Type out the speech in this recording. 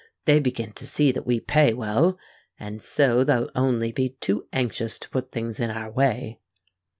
They begin to see that we pay well; and so they'll only be too anxious to put things in our way."